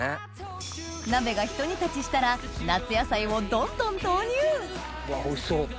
鍋がひと煮立ちしたら夏野菜をどんどん投入おいしそう。